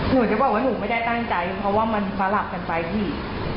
หนูจะบอกว่าหนูไม่ได้ตั้งใจเพราะว่ามันสลับกันไปพี่